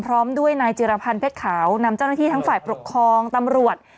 พร้อมด้วยนายจิรพันธ์เพชรขาวนำเจ้าหน้าที่ทั้งฝ่ายปกครองตำรวจ